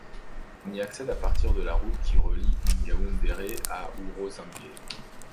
On y accède à partir de la route qui relie Ngaoundéré à Wouro Sangue.